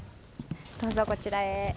どうぞこちらへ。